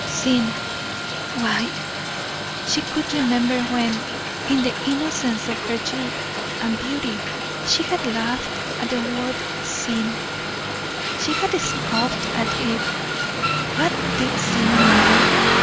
Sin! Why, she could remember when, in the innocence of her youth and beauty, she had laughed at the word sin she had scoffed at it. "What did sin matter?"